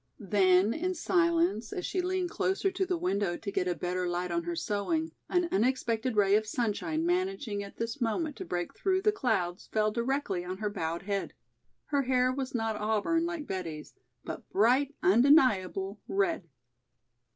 Then in silence, as she leaned closer to the window to get a better light on her sewing, an unexpected ray of sunshine managing at this moment to break through the clouds fell directly on her bowed head. Her hair was not auburn, like Betty's, but bright, undeniable red.